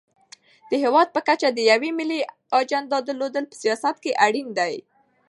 د هېواد په کچه د یوې ملي اجنډا درلودل په سیاست کې اړین دي.